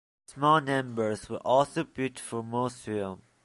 Small numbers were also built for Mosfilm.